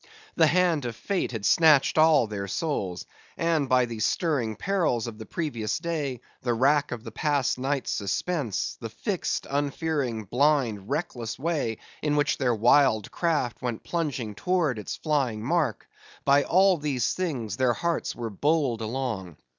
The hand of Fate had snatched all their souls; and by the stirring perils of the previous day; the rack of the past night's suspense; the fixed, unfearing, blind, reckless way in which their wild craft went plunging towards its flying mark; by all these things, their hearts were bowled along.